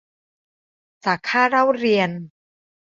จากค่าเล่าเรียน